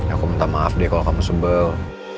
aku minta maaf deh kalau kamu sebel